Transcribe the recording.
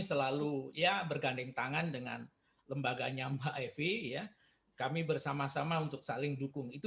selalu ya bergandeng tangan dengan lembaganya mbak evi ya kami bersama sama untuk saling dukung itu